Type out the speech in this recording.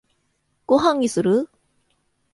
ご飯にする？